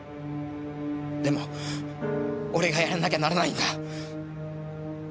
でも俺がやらなきゃならないんだ。